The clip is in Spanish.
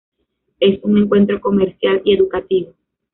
Es un centro comercial y educativo.